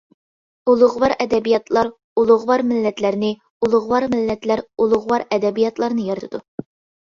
ئۇلۇغۋار ئەدەبىياتلار ئۇلۇغۋار مىللەتلەرنى، ئۇلۇغۋار مىللەتلەر ئۇلۇغۋار ئەدەبىياتلارنى يارىتىدۇ.